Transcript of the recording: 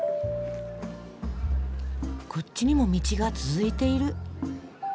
こっちにも道が続いている。